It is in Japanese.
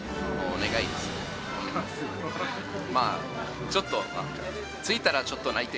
まあちょっと。